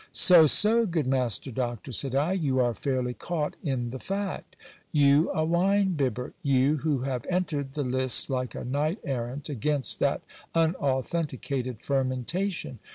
So so, good master doctor, said I, you are fairly caught in the fact. You a wine bibber ! you, who have entered the lists like a knight errant against that unauthenticated fermentation